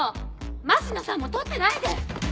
増野さんも撮ってないで！